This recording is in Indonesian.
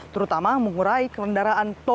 terutama mengurai kemendaraan tol kanji pejagaan